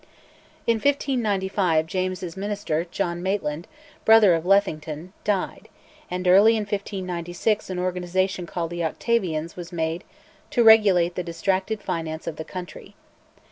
In 1595, James's minister, John Maitland, brother of Lethington, died, and early in 1596 an organisation called "the Octavians" was made to regulate the distracted finance of the country.